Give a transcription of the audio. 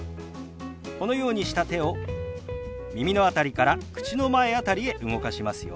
このようにした手を耳の辺りから口の前辺りへ動かしますよ。